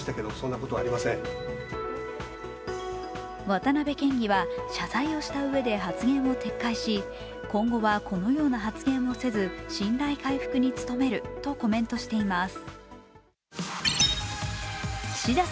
渡辺県議は謝罪をしたうえで発言を撤回し、今後はこのような発言をせず、信頼回復に努めるとコメントしています。